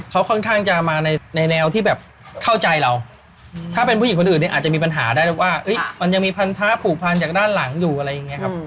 เขาค่อนข้างจะมาในแนวที่แบบเข้าใจเราถ้าเป็นผู้หญิงคนอื่นเนี่ยอาจจะมีปัญหาได้แล้วว่ามันยังมีพันธะผูกพันจากด้านหลังอยู่อะไรอย่างนี้ครับ